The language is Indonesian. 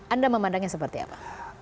anda memandangnya seperti apa